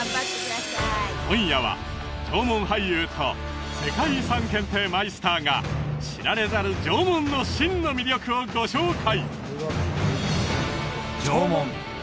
今夜は縄文俳優と世界遺産検定マイスターが知られざる縄文の真の魅力をご紹介！